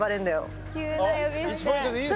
１ポイントでいいですか？